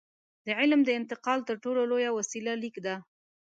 د علم د انتقال تر ټولو لویه وسیله لیک ده.